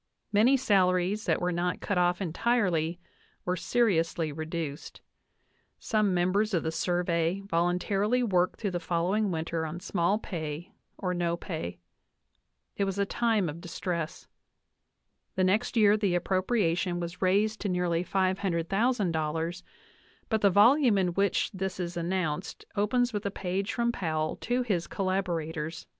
Many salaries that were not cut off entirely were seriously reduced; some members of the Survey voluntarily worked through the following winter on small pay or no pay. It was a time of distress. The next year the appropriation was raised to nearly $500,000 ; but the volume in which this is announced opens with a page from Powell to his collaborators, 57 NATIONAL ACADEMY BIOGRAPHICAL MEMOIRS VOL.